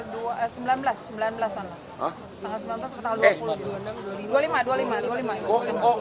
tanggal sembilan belas sampai tanggal dua puluh